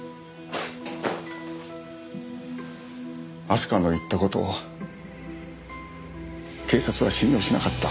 明日香の言った事を警察は信用しなかった。